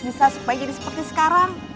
bisa supaya jadi seperti sekarang